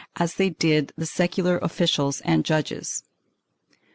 as they did the secular officials and judges.